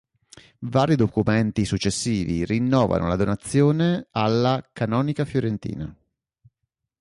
Vari documenti successivi rinnovano la donazione alla Canonica fiorentina.